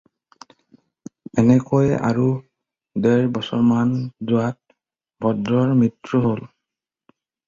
এনেকৈয়ে আৰু ডেৰ বছৰমান যোৱাত ভদ্ৰৰ মৃত্যু হ'ল।